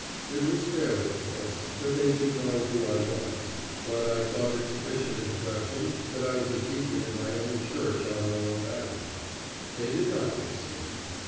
It was fair, of course, that they should know who I was, but I thought it sufficient introduction that I was a deacon in my own church out on Long Island. They did not, it seemed.